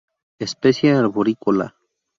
Especie arborícola.